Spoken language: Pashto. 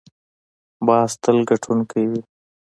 باز تل ګټونکی وي